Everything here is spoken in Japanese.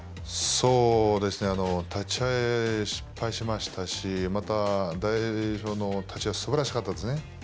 立ち合い失敗しましたしまた、大栄翔の立ち合いすばらしかったですね。